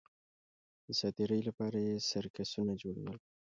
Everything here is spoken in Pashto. د ساتېرۍ لپاره یې سرکسونه جوړول